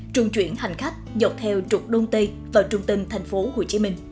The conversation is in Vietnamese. trung chuyển hành khách dọc theo trục đông tây vào trung tâm tp hcm